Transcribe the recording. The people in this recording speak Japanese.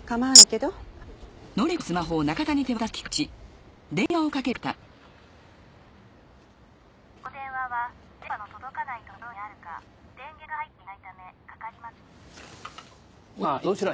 この電話は電波の届かないところにあるか電源が入っていないためかかりません。